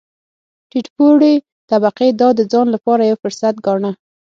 ټیټ پوړې طبقې دا د ځان لپاره یو فرصت ګاڼه.